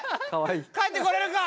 帰ってこれるか？